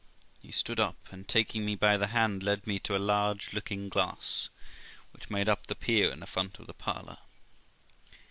He stood up, and taking me by the hand, led me to a large looking glass, which made up the pier in the front of the parlour.